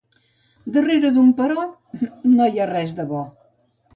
Darrere d'un però, no hi ha res de bo.